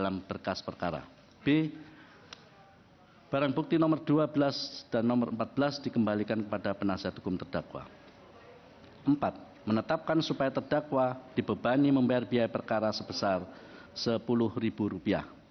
empat menetapkan supaya terdakwa dibebani membayar biaya perkara sebesar rp sepuluh